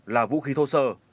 là vũ khí thua sơ